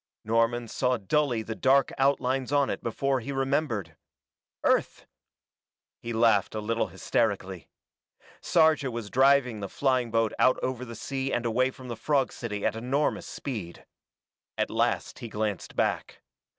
Norman saw dully the dark outlines on it before he remembered. Earth! He laughed a little hysterically. Sarja was driving the flying boat out over the sea and away from the frog city at enormous speed. At last he glanced back.